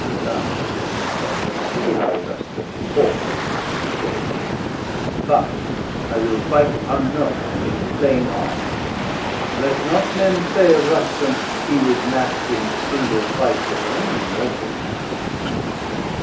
255 Come, thou shalt see how Rustum hoards his fame! But I will fight unknown, and in plain arms°; °257 Let not men say of Rustum, he was match'd In single fight with any mortal man."